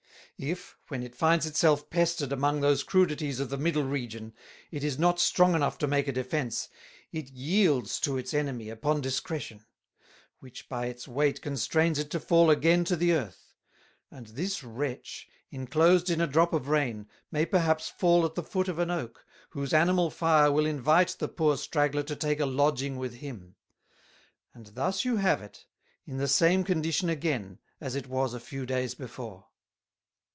If, when it finds it self pestered among those Crudities of the middle Region, it is not strong enough to make a defence, it yields to its Enemy upon discretion; which by its weight constrains it to fall again to the Earth: And this Wretch, inclosed in a drop of Rain, may per haps fall at the Foot of an Oak, whose Animal Fire will invite the poor Straggler to take a Lodging with him; and thus you have it in the same condition again as it was a few Days before.